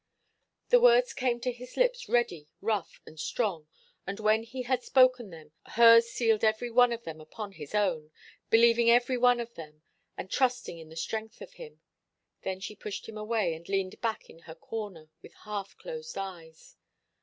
The words came to his lips ready, rough and strong, and when he had spoken them, hers sealed every one of them upon his own, believing every one of them, and trusting in the strength of him. Then she pushed him away and leaned back in her corner, with half closed eyes.